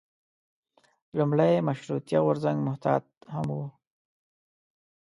لومړی مشروطیه غورځنګ محتاط هم و.